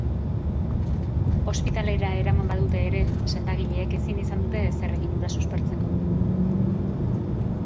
Ospitalera eraman badute ere, sendagileek ezin izan dute ezer egin hura suspertzeko.